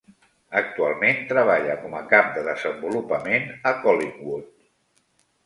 Actualment treballa com a cap de desenvolupament a Collingwood.